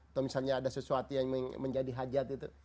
atau misalnya ada sesuatu yang menjadi hajat itu